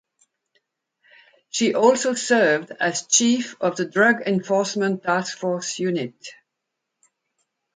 She also served as chief of the Drug Enforcement Task Force Unit.